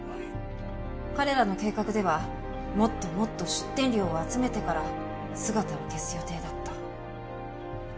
彼らの計画ではもっともっと出店料を集めてから姿を消す予定だった。